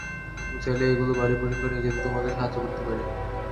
তুমি চাইলে, এগুলো বাড়ি পর্যন্ত নিয়ে যেতে তোমাকে সাহায্য করতে পারি।